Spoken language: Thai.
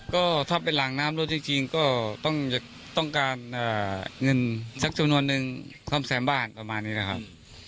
ก็ถ้าเป็นหลังน้ำรถจริงก็ต้องการเงินสักจำนวนนึงซ่อมแซมบ้านประมาณนี้นะครับ